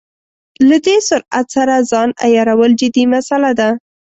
له دې سرعت سره ځان عیارول جدي مساله ده.